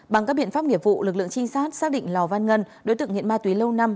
bằng các biện pháp nghiệp vụ lực lượng trinh sát xác định lò văn ngân đối tượng nghiện ma túy lâu năm